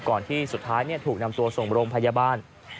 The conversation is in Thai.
ที่สุดท้ายถูกนำตัวส่งโรงพยาบาล